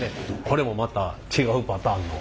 これもまた違うパターンの。